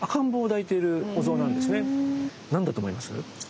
実は何だと思います？